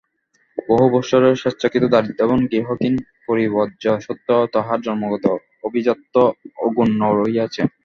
বহু বৎসরের স্বেচ্ছাকৃত দারিদ্র্য এবং গৃহহীন পরিব্রজ্যা সত্ত্বেও তাঁহার জন্মগত আভিজাত্য অক্ষুণ্ণ রহিয়াছে।